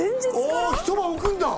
ああ一晩おくんだ！